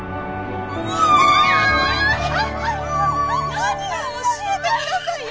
何よ教えてくださいよ！